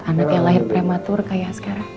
anak yang lahir prematur kayak sekarang